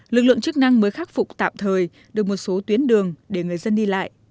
lực lượng chức năng mới khắc phục tạm thời được một số tuyến đường để người dân đi lại